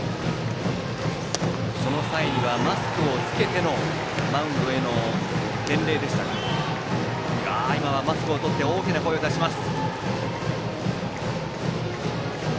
その際にはマスクを着けてのマウンドへの伝令でしたが今はマスクを取って大きな声を出します。